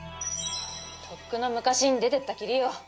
とっくの昔に出てったきりよ。